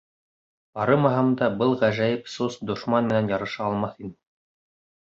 Арымаһам да, был ғәжәйеп сос дошман менән ярыша алмаҫ инем.